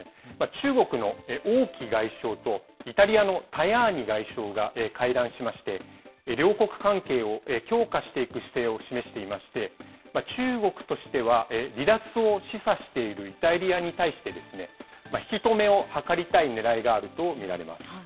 中国の王毅外相と、イタリアのタヤーニ外相が会談しまして、両国関係を強化していく姿勢を示していまして、中国としては、離脱を示唆しているイタリアに対して、引き止めを図りたいねらいがあると見られます。